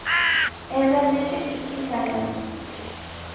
ევრაზიაში თითქმის არ არის.